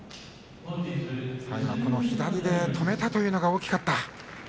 左で止めたというのが大きかった。